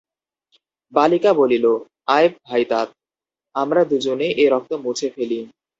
বালিকা বলিল, আয় ভাই তাত, আমরা দুজনে এ রক্ত মুছে ফেলি।